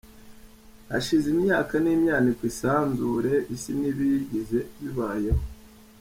Hashize imyaka n’imyaniko isanzure, Isi n’ibiyigize bibayeho.